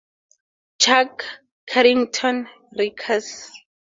Chuck Carrington recurs.